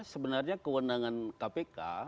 sebenarnya kewenangan kpk